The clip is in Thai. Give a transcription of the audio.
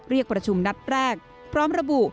เรียกประชุมนัดแรกพร้อมระบุ